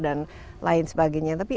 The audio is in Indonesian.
dan lain sebagainya tapi